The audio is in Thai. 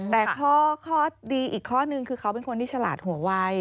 แต่ข้อดีอีกข้อนึงคือเขาเป็นคนที่ฉลาดหัววัย